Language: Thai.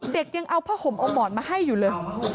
ยังเอาผ้าห่มเอาหมอนมาให้อยู่เลย